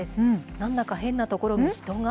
なんだか変な所に人が。